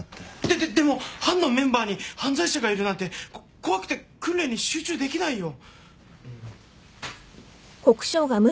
でででも班のメンバーに犯罪者がいるなんてこ怖くて訓練に集中できないよ。